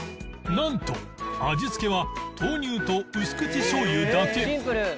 なんと味付けは豆乳と薄口しょうゆだけ